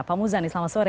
pak muzani selamat sore